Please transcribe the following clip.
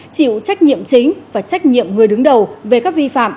chịu trách nhiệm chính và trách nhiệm người đứng đầu về các vi phạm